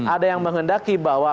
ada yang menghendaki bahwa